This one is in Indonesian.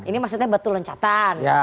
ini maksudnya betul rencatan